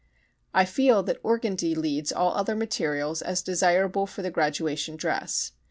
I feel that organdy leads all other materials as desirable for the graduation dress.